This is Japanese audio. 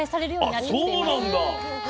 あっそうなんだ。